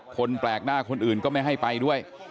คนแปลกหน้าคนอื่นก็ไม่ให้ไปด้วย